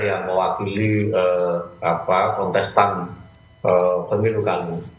yang mewakili kontestan pemilu kali